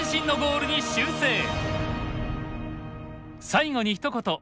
最後にひと言。